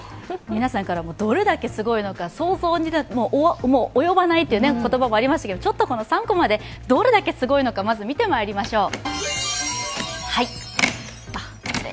皆さんからどれだけすごいのか想像にも及ばないと言葉もありましたけど、３コマでどれだけすごいのか見てまいりましょう。